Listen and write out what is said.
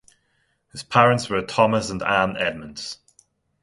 His parents were Thomas and Ann Edmunds.